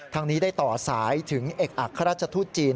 ทางนี้ได้ต่อสายถึงเอกอัครราชทูตจีน